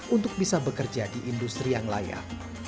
untuk bisa bekerja di industri yang layak